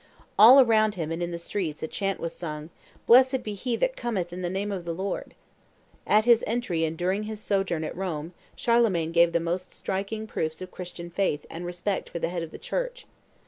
All around him and in the streets a chant was sung, "Blessed be he that cometh in the name of the Lord!" At his entry and during his sojourn at Rome Charlemagne gave the most striking proofs of Christian faith and respect for the head of the Church.